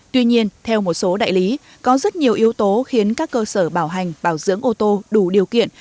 tuy nhiên theo một số đại lý có rất nhiều yếu tố khiến các cơ sở bảo hành bảo dưỡng ô tô đủ điều kiện